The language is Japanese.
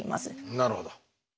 なるほど。